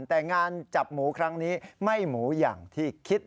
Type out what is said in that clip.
แต่งานจับหมูครั้งนี้ไม่หมูอย่างที่คิด